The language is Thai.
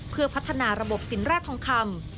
เพื่อพัฒนาระบบสินแร่ทองคำ